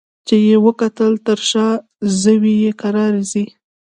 چي یې وکتل تر شا زوی یې کرار ځي